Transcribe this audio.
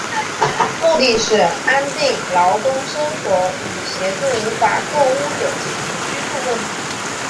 目的是为安定劳工生活与协助无法购屋者解决居住问题。